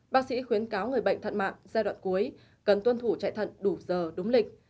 bác sĩ khuyến cáo người bệnh thận mạng giai đoạn cuối cần tuân thủ chạy thận đủ giờ đúng lịch